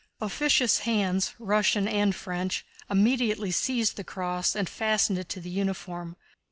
Officious hands, Russian and French, immediately seized the cross and fastened it to the uniform.